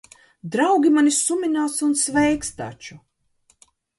Draugi mani suminās un sveiks taču.